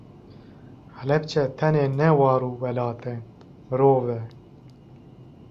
Helepçe tenê ne war û welat e, mirov e.